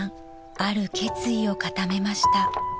ある決意を固めました］